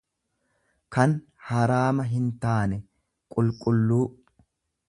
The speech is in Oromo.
kan haraama hintaane, qulqulluu.